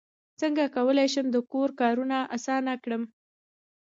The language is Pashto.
څنګه کولی شم د کور کارونه اسانه کړم